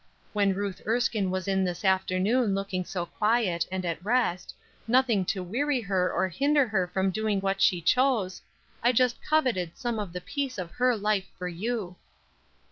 When Ruth Erskine was in this afternoon, looking so quiet, and at rest, nothing to weary her or hinder her from doing what she chose, I just coveted some of the peace of her life for you."